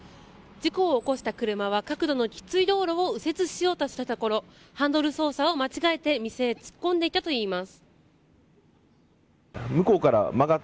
事故を起こした車は角度のきつい道路を右折しようとしたところハンドル操作を間違えて店へ突っ込んでいったといいます。